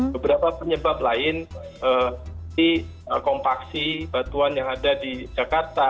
beberapa penyebab lain di kompaksi batuan yang ada di jakarta